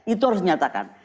itu harus dinyatakan